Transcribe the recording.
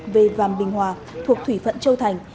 về vàm bình hòa thuộc thủy phận châu thành